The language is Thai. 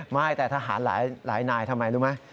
ไม่แต่ทหารหลายนายทำไมรู้ไหม